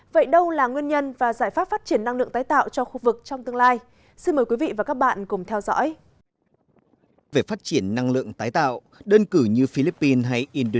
vậy đâu là nguyên nhân và giải pháp phát triển năng lượng tái tạo cho khu vực trong tương lai